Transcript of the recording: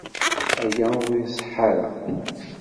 Aya ur iṣeḥḥa ara.